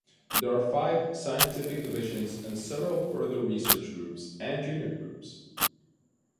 There are five scientific divisions and several further research groups and junior groups.